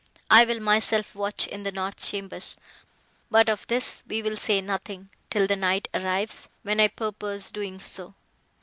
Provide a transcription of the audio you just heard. I will myself watch in the north chambers, but of this we will say nothing, till the night arrives, when I purpose doing so."